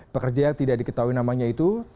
pekerja yang tidak diketahui namanya itu